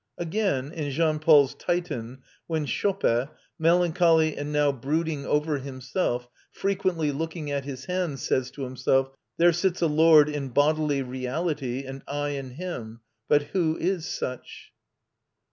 Again, in Jean Paul's "Titan," when Schoppe, melancholy and now brooding over himself, frequently looking at his hands, says to himself, "There sits a lord in bodily reality, and I in him; but who is such?"